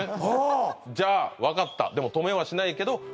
ほお「じゃ分かったでも止めはしないけど」